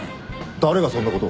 誰がそんなこと。